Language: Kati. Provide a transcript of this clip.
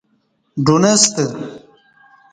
ڈُنستہ